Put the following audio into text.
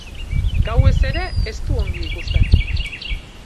Gauez ere ez du ongi ikusten.